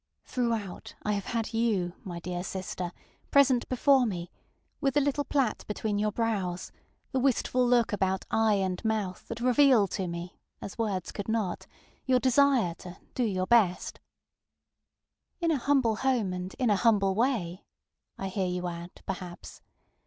Throughout I have had you, my dear sister, present before me, with the little plait between your brows, the wistful look about eye and mouth that reveal to me, as words could not, your desire to ŌĆ£do your best. ŌĆØ ŌĆ£In a humble home, and in a humble way, ŌĆØ I hear you add, perhaps.